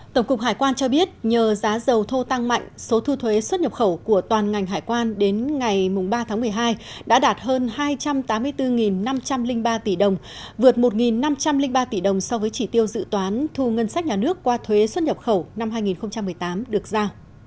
tổng cục hải quan cho biết nhờ giá dầu thô tăng mạnh số thu thuế xuất nhập khẩu của toàn ngành hải quan đến ngày ba tháng một mươi hai đã đạt hơn hai trăm tám mươi bốn năm trăm linh ba tỷ đồng vượt một năm trăm linh ba tỷ đồng so với chỉ tiêu dự toán thu ngân sách nhà nước qua thuế xuất nhập khẩu năm hai nghìn một mươi tám được ra